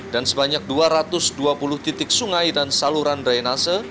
dan sebanyak dua ratus dua puluh titik sungai dan saluran drainase